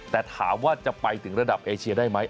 แต่ถามว่าจะไปถึงระดับเอเชียได้ไหม